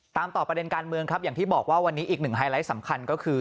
ต่อประเด็นการเมืองครับอย่างที่บอกว่าวันนี้อีกหนึ่งไฮไลท์สำคัญก็คือ